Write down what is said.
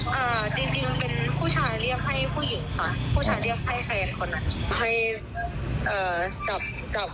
จริงเป็นผู้ชายเรียกให้ผู้หญิงค่ะ